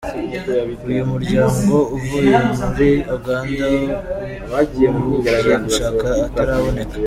Uyu muryango uvuye muri Uganda uwo bagiye gushaka ataraboneka.